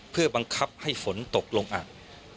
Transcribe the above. เพื่อบังคับให้ฝนตกลงอ่าง